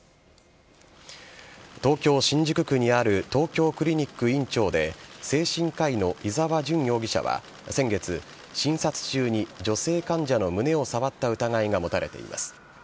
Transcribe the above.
東京・新宿区にある東京クリニック院長で精神科医の伊沢純容疑者は先月診察中に女性患者の胸を触った疑いが持たれています。